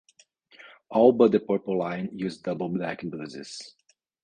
All but the purple line use double deck buses.